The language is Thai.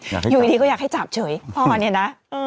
อยู่ดีก็อยากให้จับเฉยพ่อเนี่ยนะ